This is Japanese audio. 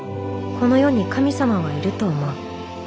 この世に神様はいると思う。